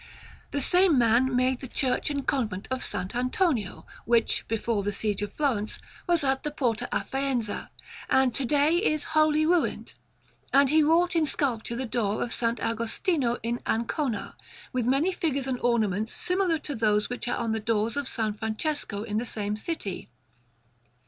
The same man made the Church and Convent of S. Antonio, which, before the siege of Florence, was at the Porta a Faenza, and to day is wholly ruined; and he wrought in sculpture the door of S. Agostino in Ancona, with many figures and ornaments similar to those which are on the door of S. Francesco in the same city.